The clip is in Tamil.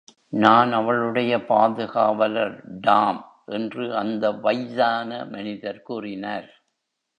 "நான் அவளுடைய பாதுகாவலர், டாம்," என்று அந்த வய்தான மனிதர் கூறினார்.